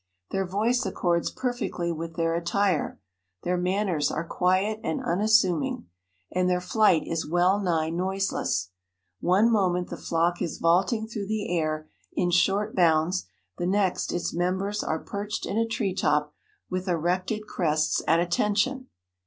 Their voice accords perfectly with their attire, their manners are quiet and unassuming, and their flight is well nigh noiseless. One moment the flock is vaulting through the air in short bounds, the next its members are perched in a treetop with erected crests at attention.